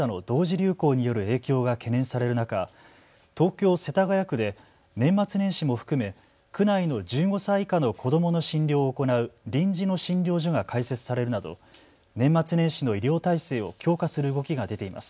流行による影響が懸念される中、東京世田谷区で年末年始も含め区内の１５歳以下の子どもの診療を行う臨時の診療所が開設されるなど年末年始の医療体制を強化する動きが出ています。